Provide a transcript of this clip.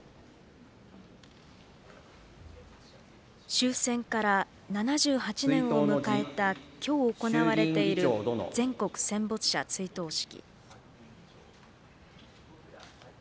終戦から７８年を迎えたきょう行われている全国戦没者追悼式。